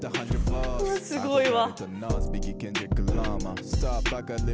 すごいわ。